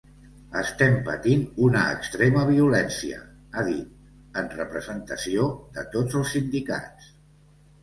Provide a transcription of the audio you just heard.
Estem patint una extrema violència, ha dit, en representació de tots els sindicats.